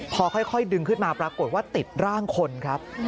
พอค่อยดึงขึ้นมาปรากฏว่าติดร่างคนครับ